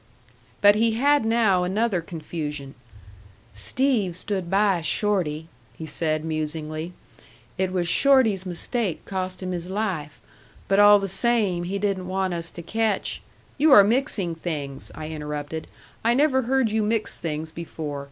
But he had now another confusion. "Steve stood by Shorty," he said musingly. "It was Shorty's mistake cost him his life, but all the same he didn't want us to catch " "You are mixing things," I interrupted. "I never heard you mix things before.